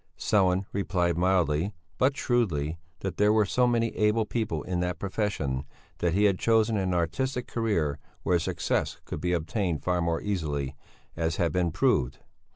Sellén replied mildly, but shrewdly, that there were so many able people in that profession, that he had chosen an artistic career where success could be obtained far more easily, as had been proved.